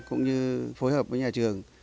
cũng như phối hợp với nhà trường